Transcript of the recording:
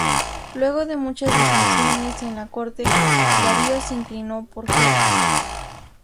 Luego de muchas disensiones en la corte, Darío se inclinó por Jerjes.